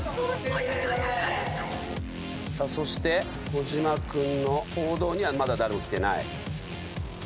さあそして小島君の講堂にはまだ誰も来てない。